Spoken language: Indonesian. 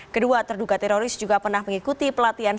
kedua terduga teroris juga pernah mengikuti pelatihan